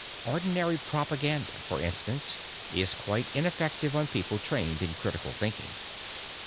Ordinary propaganda, for instance, is quite ineffective on people trained in critical thinking.